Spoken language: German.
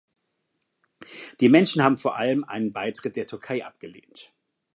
Die Menschen haben vor allem einen Beitritt der Türkei abgelehnt.